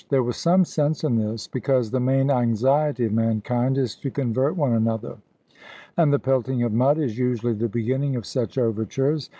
There was some sense in this, because the main anxiety of mankind is to convert one another; and the pelting of mud is usually the beginning of such overtures.